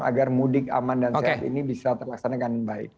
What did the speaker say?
agar mudik aman dan sehat ini bisa terlaksanakan baik